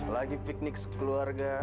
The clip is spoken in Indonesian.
lagi piknik sekeluarga